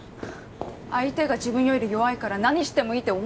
相手が自分より弱いから何してもいいって思ってるんじゃないですか